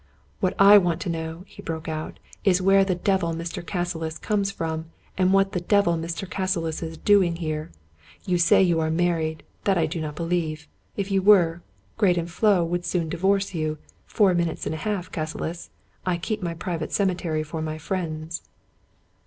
" What I want to know," he broke out, " is where the devil Mr. Cassilis comes from, and what the devil Mr. Cas silis is doing here. You say you are married ; that I do not believe. If you were, Graden Floe would soon divorce you; four minutes and a half, Cassilis. I keep my private ceme tery for my friends."